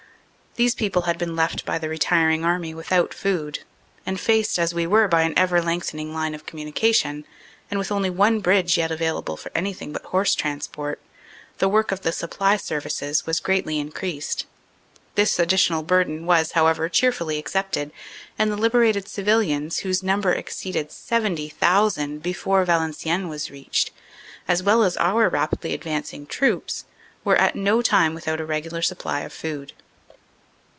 These people had been left by the retiring enemy without food, and faced as we were by an ever lengthening line of communica tion, and with only one bridge yet available for anything but horse transport, the work of the supply services was greatly increased. This additional burden was, however, cheerfully accepted, and the liberated civilians, whose number exceeded 70,000 before Valenciennes was reached, as well as our rapidly advancing troops, were at no time without a regular supply of food."